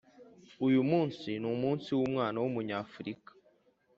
Uyumunsi numunsi wumwana wumunyafurika